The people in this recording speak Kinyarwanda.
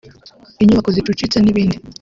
inyubako zicucitse n’ibindi